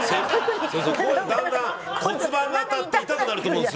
こうだんだん骨盤が当たって痛くなると思うんですよ。